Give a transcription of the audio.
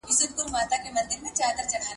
زه به سبا د ښوونځی لپاره امادګي ونيسم!